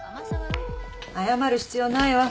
謝る必要ないわ。